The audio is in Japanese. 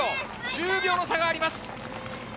１０秒の差があります。